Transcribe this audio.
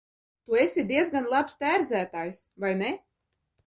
Tu esi diezgan labs tērzētājs, vai ne?